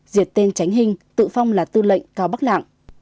diệt tên tránh hình tự phong là tư lệnh cao bắc lạng